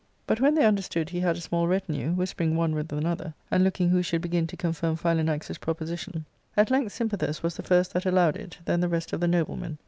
But when they understood he had a small re tinue, whispering one with another, and looking who should begin to confirm Philanax's proposition, at length Sympathus was the first that allowed it, then the rest of the noblemen.